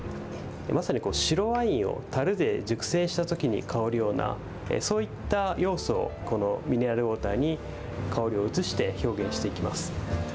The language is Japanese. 白ワインに代わるような、そういった要素をこのミネラルウォーターに香りを移して表現していきます。